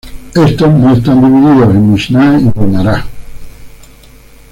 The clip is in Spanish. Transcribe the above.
Estos no están divididos en Mishná y Guemará.